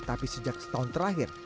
tapi sejak setahun terakhir